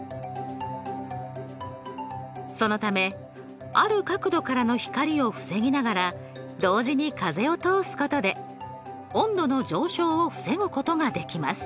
そのためある角度からの光を防ぎながら同時に風を通すことで温度の上昇を防ぐことができます。